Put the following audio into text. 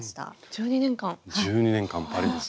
１２年間パリですよ。